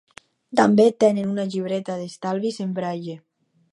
També tenen una llibreta d'estalvis en braille.